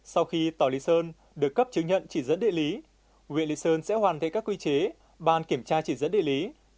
sau khi tỏi lý sơn được cấp chứng nhận chỉ dẫn địa lý huyện lý sơn sẽ hoàn thể các quy chế bàn kiểm tra chỉ dẫn địa lý